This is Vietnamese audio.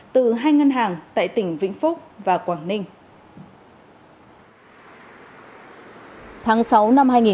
từ hai ngân hàng tại tỉnh vĩnh phúc và quảng ninh